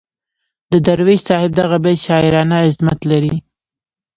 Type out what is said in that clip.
د درویش صاحب دغه بیت شاعرانه عظمت لري.